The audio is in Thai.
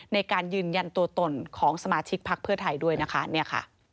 ในการยืนยันตัวตนของสมาชิกพักเพื่อไทยด้วยนะคะเนี่ยค่ะ